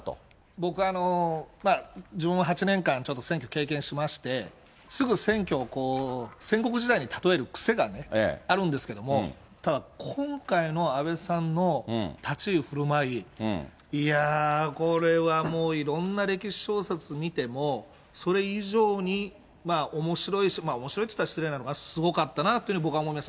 僕は、自分も８年間、ちょっと選挙経験しまして、すぐ選挙を、戦国時代に例える癖があるんですけども、ただ今回の安倍さんの立ち居ふるまい、いやー、これはもう、いろんな歴史小説見ても、それ以上におもしろい、おもしろいって言ったら失礼なのかな、すごかったなっていうふうに僕は思うんです。